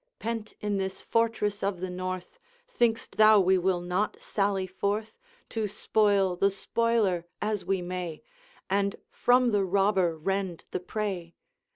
Pent in this fortress of the North, Think'st thou we will not sally forth, To spoil the spoiler as we may, And from the robber rend the prey?